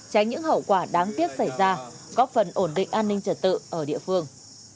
tránh những hậu quả đáng tiếc xảy ra góp phần ổn định an ninh trật tự ở địa phương